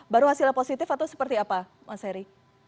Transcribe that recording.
baru hasilnya positif atau seperti apa mas heri